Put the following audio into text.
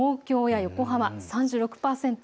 東京、横浜３６％。